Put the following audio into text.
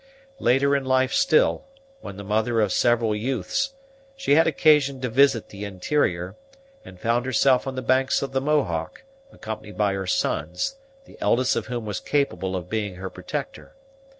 Later in life still, when the mother of several youths, she had occasion to visit the interior; and found herself on the banks of the Mohawk, accompanied by her sons, the eldest of whom was capable of being her protector.